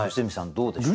どうでしょう？